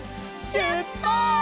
しゅっぱつ！